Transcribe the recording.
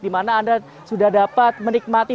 dimana anda sudah dapat menikmati